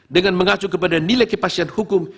dengan mengacu kepada nilai kepastian hukum